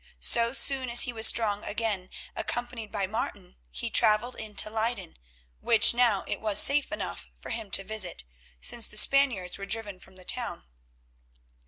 So soon as he was strong again, accompanied by Martin, he travelled into Leyden, which now it was safe enough for him to visit, since the Spaniards were driven from the town.